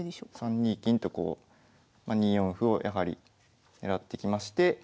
３二金とこう２四歩をやはり狙ってきまして。